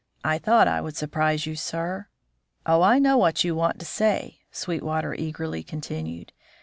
I thought I would surprise you, sir. Oh, I know what you want to say!" Sweetwater eagerly continued.